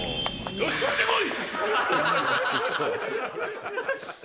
よし、行ってこい！